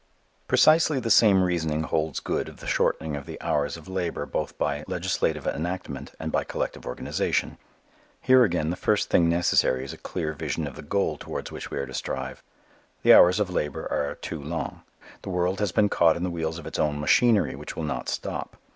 Precisely the same reasoning holds good of the shortening of the hours of labor both by legislative enactment and by collective organization. Here again the first thing necessary is a clear vision of the goal towards which we are to strive. The hours of labor are too long. The world has been caught in the wheels of its own machinery which will not stop.